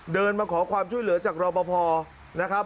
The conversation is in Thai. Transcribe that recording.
เดินมาขอความช่วยเหลือจากรบพอนะครับ